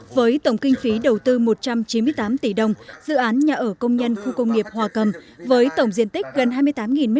với tổng kinh phí đầu tư một trăm chín mươi tám tỷ đồng dự án nhà ở công nhân khu công nghiệp hòa cầm với tổng diện tích gần hai mươi tám m hai